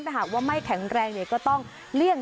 ถ้าหากว่าไม่แข็งแรงก็ต้องเลี่ยง